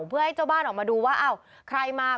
เพื่อให้เจ้าบ้านออกมาดูว่าอ้าวใครมา